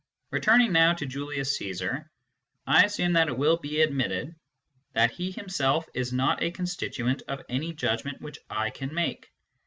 / Returning now to Julius Caesar, I assume that it will be admitted that he himself is not a constituent of any judgment which I can make.